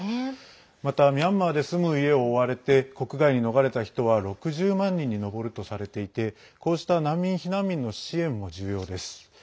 また、ミャンマーで住む家を追われて国外に逃れた人は６０万人に上るとされていてこうした難民・避難民の支援も重要です。